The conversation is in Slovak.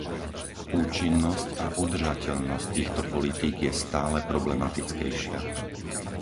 Účinnosť a udržateľnosť týchto politík je stále problematickejšia.